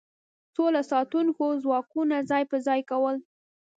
سوله ساتونکو ځواکونو ځای په ځای کول.